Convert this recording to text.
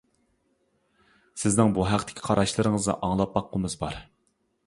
سىزنىڭ بۇ ھەقتىكى قاراشلىرىڭىزنى ئاڭلاپ باققۇمىز بار.